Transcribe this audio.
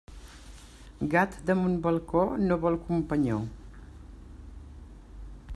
Gat damunt balcó no vol companyó.